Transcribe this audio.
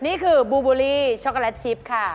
นี่คือบูบูลลี่ช็อกโกแลตชิปค่ะ